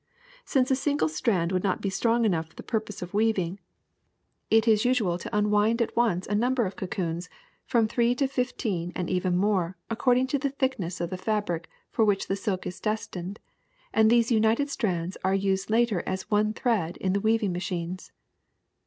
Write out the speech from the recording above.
'* Since a single strand would not be strong enough for the purpose of weaving, it is usual to unwind all SILK 23 at once a number of cocoons, from three to fifteen and even more, according to the thickness of the fab ric for which the silk is destined; and these united strands are used later as one thread in the weaving machines.